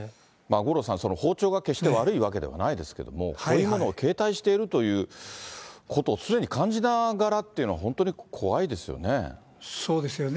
五郎さん、包丁が決して悪いわけではないですけども、こういうものを携帯しているということ、常に感じながらというのは、本当に怖いですよね。